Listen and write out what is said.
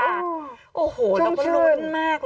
ฮั่ห์โอ้โหเราคนร้อนมากเลยนะ